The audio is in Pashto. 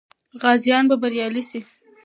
غازیان به بریالي سي.